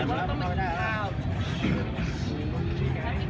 แม่กับผู้วิทยาลัย